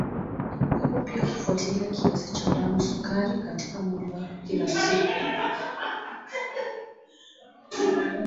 Ni muhimu pia kufuatilia kiasi cha damu sukari katika mwili wako kila siku